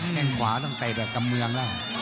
แกงขวาต้องเตะแบบตำเมือง